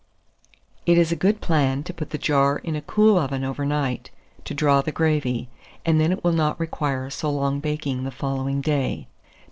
It is a good plan to put the jar in a cool oven over night, to draw the gravy; and then it will not require so long baking the following day.